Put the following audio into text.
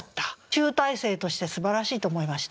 集大成としてすばらしいと思いました。